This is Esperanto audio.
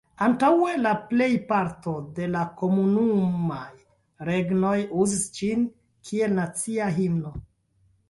Antaŭe la plejparto de la Komunumaj Regnoj uzis ĝin kiel nacian himnon.